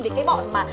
về cái bọn mà